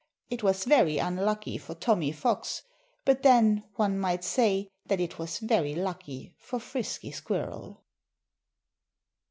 It was very unlucky for Tommy Fox; but then, one might say that it was very lucky for Frisky Squirrel.